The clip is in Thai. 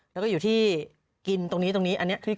แล้วก็อยู่ที่กินตรงนี้ตรงนี้